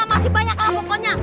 masih banyak lah pokoknya